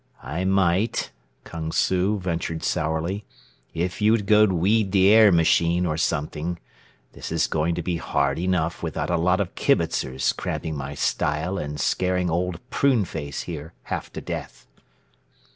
"I might," Kung Su ventured sourly, "if you'd go weed the air machine or something. This is going to be hard enough without a lot of kibitzers cramping my style and scaring Old Pruneface here half to death."